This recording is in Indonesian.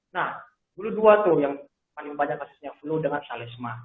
nah dulu dua tuh yang paling banyak kasusnya flu dengan salesma